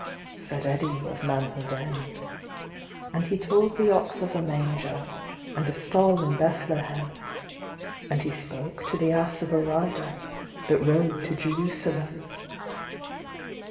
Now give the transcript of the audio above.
Said Eddi of Manhood End.And he told the Ox of a MangerAnd a Stall in Bethlehem, And he spoke to the Ass of a Rider, That rode to Jerusalem.